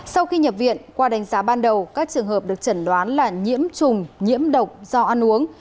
sau khi nhập viện qua đánh giá ban đầu các trường hợp được chẩn đoán là nhiễm trùng nhiễm độc do ăn uống